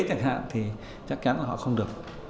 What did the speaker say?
chắc chắn là họ không được